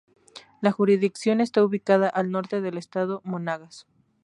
La jurisdicción está ubicada al norte del Estado Monagas.